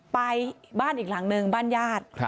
ไปบ้านอีกหลังนึงบ้านญาติ